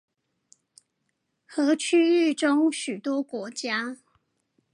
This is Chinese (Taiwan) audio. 和區域中許多國家